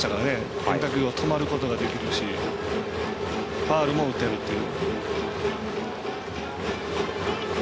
変化球、止めることができるしファウルも打てるという。